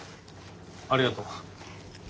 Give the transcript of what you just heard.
ありがとう。